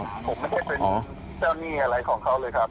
ผมไม่ใช่เป็นเจ้าหนี้อะไรของเขาเลยครับ